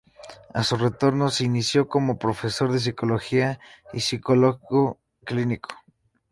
A su retorno, se inició como profesor de Psicología y psicólogo clínico.